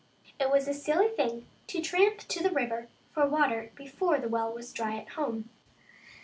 It was a silly thing to tramp to the river for water before the well was dry at home.